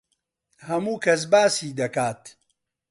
هەموو کەس باسی دەکات.